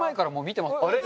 あれ？